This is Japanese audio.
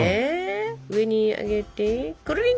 上に上げてくるりん！